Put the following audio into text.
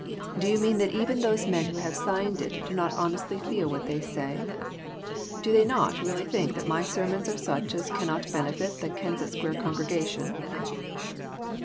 Do you mean that even those men who have signed it do not honestly feel what they say ? Do they not really think that my sermons are such as cannot benefit the Kensett Square congregation?"